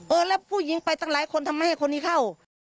เออแล้วผู้หญิงไปตั้งหลายคนทำไมให้คนนี้เข้า